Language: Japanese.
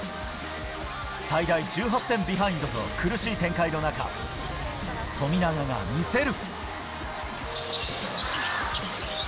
最大１８点ビハインドと苦しい展開の中、富永がみせる。